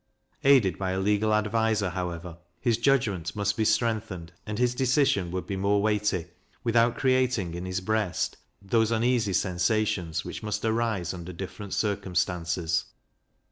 Aided by a legal adviser, however, his judgment must be strengthened, and his decision would be more weighty, without creating in his breast those uneasy sensations which must arise under different circumstances.